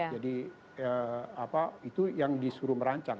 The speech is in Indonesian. jadi itu yang disuruh merancang